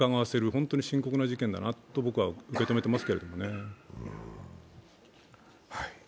本当に深刻な事件だなと僕は受け止めています。